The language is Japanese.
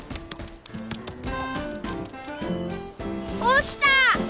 落ちた！